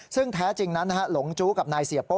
ซึ่งแท้จริงนั้นหลงจู้กับนายเสียโป้